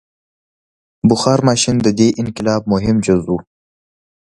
• بخار ماشین د دې انقلاب مهم جز و.